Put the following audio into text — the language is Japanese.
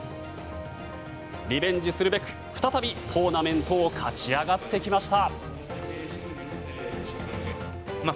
リベンジするべく再びトーナメントを勝ち上がってきました。